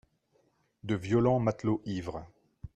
de violents matelots ivres.